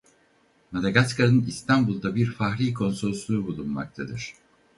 Madagaskar'ın İstanbul'da bir fahri konsolosluğu bulunmaktadır.